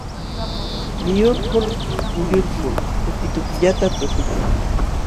Miyulkul muyulkul tukitukillata tuśhukun.